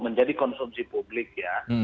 menjadi konsumsi publik ya